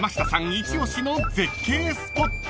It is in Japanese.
一押しの絶景スポット］